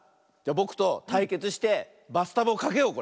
ぼくとたいけつしてバスタブをかけようこれ。